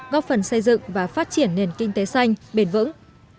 góp phần xây dựng và phát triển nền kinh tế xanh bền vững